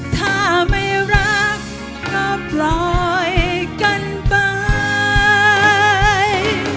ถ้าไม่รักก็ปล่อยกันไป